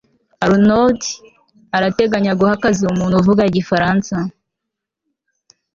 arnaud arateganya guha akazi umuntu uvuga igifaransa